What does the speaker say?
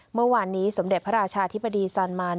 เมื่อวานนี้สมเด็จพระราชาธิบดีซานมาน